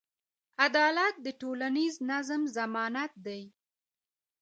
عدالت د ټولنیز نظم ضمانت دی.